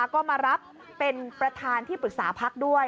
ก็มารับเป็นประธานที่ปรึกษาพักด้วย